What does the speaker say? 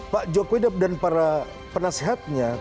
pak jokowi dan para penasehatnya